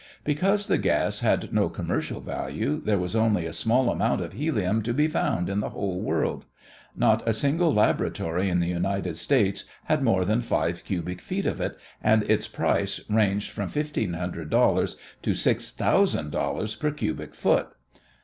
Because the gas had no commercial value, there was only a small amount of helium to be found in the whole world. Not a single laboratory in the United States had more than five cubic feet of it and its price ranged from $1,500 to $6,000 per cubic foot.